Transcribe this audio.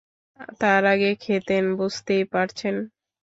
তার আগে খেতেন, বুঝতেই পারছেন।